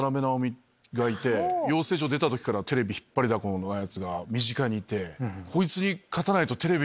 養成所出た時からテレビ引っ張りだこが身近にいて。